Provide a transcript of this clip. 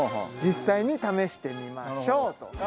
実際に試してみましょうと。